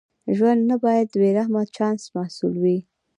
ژوند نه باید د بې رحمه چانس محصول وي.